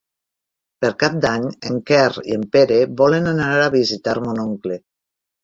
Per Cap d'Any en Quer i en Pere volen anar a visitar mon oncle.